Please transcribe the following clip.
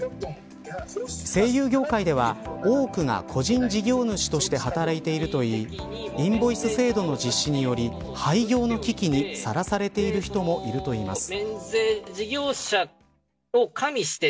声優業界では多くが個人事業主として働いているといいインボイス制度の実施により廃業の危機にさらされている人もいるといいます。